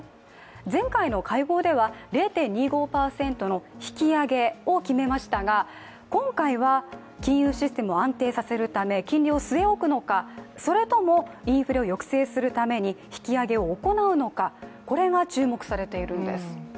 前回の会合では０．２５％の引き上げを決めましたが、今回は金融システムを安定させるため金利を据え置くのかそれともインフレを抑制するために引き上げを行うのかこれが注目されているんです。